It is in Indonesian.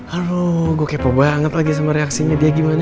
halo gue kepo banget lagi sama reaksinya dia gimana